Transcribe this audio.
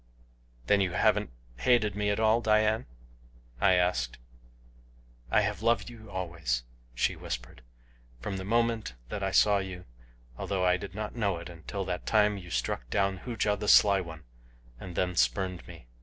"Then you haven't hated me at all, Dian?" I asked. "I have loved you always," she whispered, "from the first moment that I saw you, although I did not know it until that time you struck down Hooja the Sly One, and then spurned me."